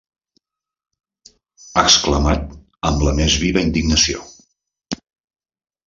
...exclamant amb la més viva indignació.